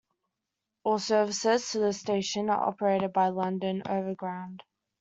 All services to this station are operated by London Overground.